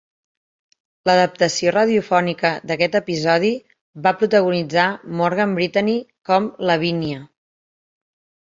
L'adaptació radiofònica d'aquest episodi va protagonitzar Morgan Brittany com Lavinia.